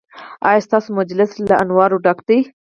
ایا ستاسو مجلس له انوارو ډک دی؟